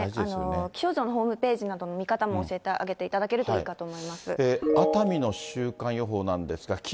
気象庁のホームページなどの見方も教えてあげていただけると熱海の週間予報なんですが、金、